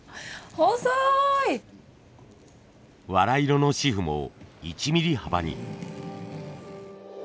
藁色の紙布も１ミリ幅に。